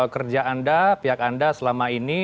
kerja anda pihak anda selama ini